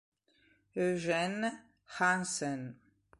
Eugène Hanssen